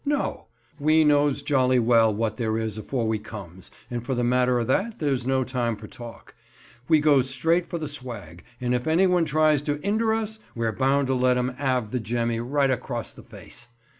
"No, we knows jolly well what there is afore we comes; and, for the matter of that, there's no time for talk. We goes straight for the swag, and if anyone tries to 'inder us, we're bound to let 'im 'ave the jemmy right across the face.